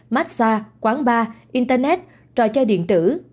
massage quán bar internet trò chơi điện tử